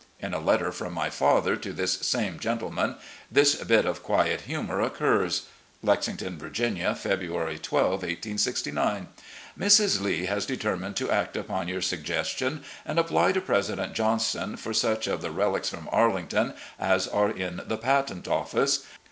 In a letter from my father to this same gentleman, this bit of quiet hmnour occurs: "Lexington, Virginia, February 12, 1869. .. Mrs. Lee has determined to act upon your suggestion and apply to President Johnson for such of the relics from Arlington as are in the Patent Office.